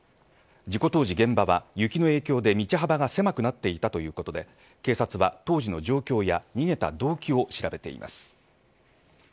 事故当時、現場は雪の影響で道幅が狭くなっていたということで警察は当時の状況や逃げた動機を調べています。